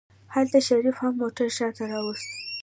هلته شريف هم موټر شاته راوست.